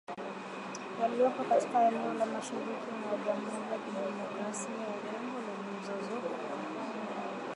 yaliyopo katika eneo la mashariki mwa jamhuri ya kidemokrasia ya Kongo lenye mzozo